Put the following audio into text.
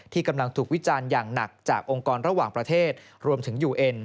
กำลังถูกวิจารณ์อย่างหนักจากองค์กรระหว่างประเทศรวมถึงยูเอ็น